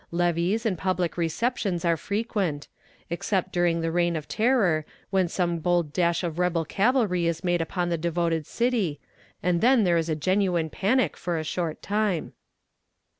Levees and public receptions are frequent, except during the reign of terror, when some bold dash of rebel cavalry is made upon the devoted city, and then there is a genuine panic for a short time.